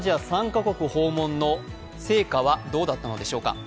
３カ国訪問の成果はどうだったのでしょうか。